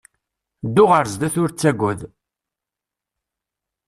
Ddu ɣer sdat ur ttaggad!